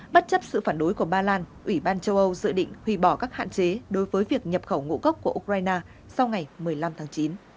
bất chấp sự phản đối của ba lan ủy ban châu âu dự định hủy bỏ các hạn chế đối với việc nhập khẩu ngũ cốc của ukraine sau ngày một mươi năm tháng chín